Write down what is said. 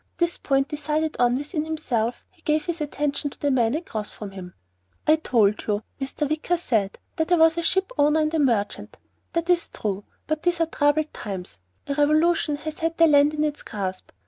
This point decided on within himself, he gave his attention to the man across from him. "I told you," Mr. Wicker said, "that I was a shipowner and a merchant. That is true. But these are troubled times. A revolution has had the land in its grasp.